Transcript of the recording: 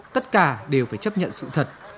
tất cả đều phải chấp nhận sự thật